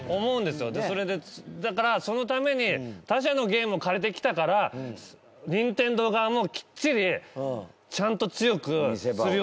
だから、そのために他社のゲームを借りてきたから任天堂側も、きっちりちゃんと強くするように。